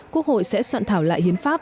quốc hội sẽ soạn thảo lại hiến pháp